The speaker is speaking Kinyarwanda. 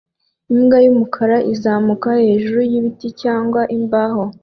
Imbwa y'umukara izamuka hejuru y'ibiti cyangwa imbaho